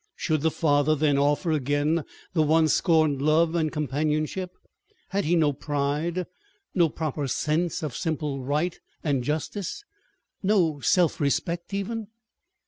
Should the father then offer again the once scorned love and companionship? Had he no pride no proper sense of simple right and justice? No self respect, even?